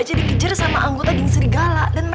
ya tapi jangan di sini dong